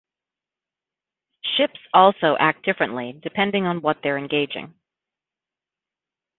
Ships also act differently depending on what they're engaging.